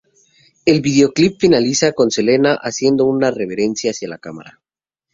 El videoclip finaliza con Selena haciendo una reverencia hacia la cámara.